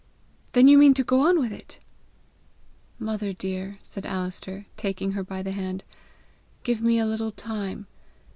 "Then you mean to go on with it?" "Mother dear," said Alister, taking her by the hand, "give me a little time.